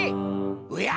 おや！